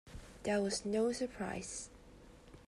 There was no surprise.